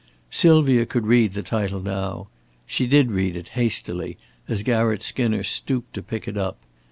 Sylvia could read the title now. She did read it, hastily, as Garratt Skinner stooped to pick it up.